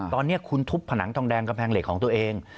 ตอนนี้คุณทุบผนังทองแดงกำแพงเหล็กของตัวเอง